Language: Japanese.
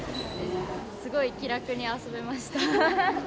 すごい気楽に遊べました。